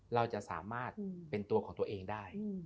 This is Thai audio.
เราจะสามารถเป็นตัวของตัวเองได้